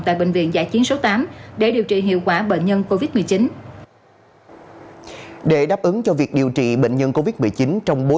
tại bệnh viện giải chiến số tám để điều trị hiệu quả bệnh nhân covid một mươi chín